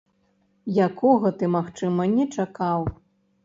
Якога ты, магчыма, не чакаў.